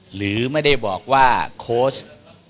หรือไม่ได้บอกว่าโค้ช